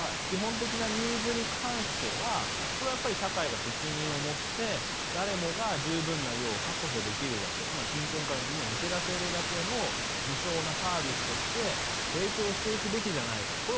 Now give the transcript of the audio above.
基本的なニーズに関してはこれやっぱり社会が責任を持って誰もが十分な量を確保できるだけつまり貧困からみんな抜け出せるだけの無償なサービスとして提供していくべきじゃないか。